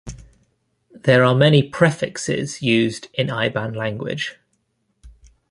There are many prefixes used in Iban language.